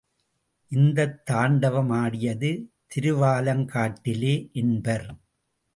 இந்தத் தாண்டவம் ஆடியது திருவாலங்காட்டிலே என்பர்.